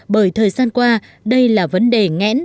bởi thời gian qua đây là vấn đề ngẽn